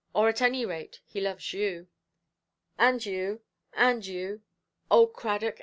Or, at any rate, He loves you". "And you, and you. Oh, Cradock!